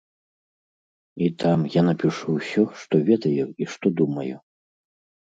І там я напішу ўсё, што ведаю і што думаю.